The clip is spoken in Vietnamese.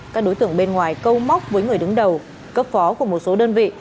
các đối tượng bên ngoài câu móc với người đứng đầu cấp phó của một số đơn vị